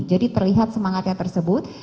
jadi terlihat semangatnya tersebut